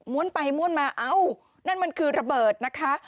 มวลไปมวลมาเอ้างั้นคือระเบิดนะคะ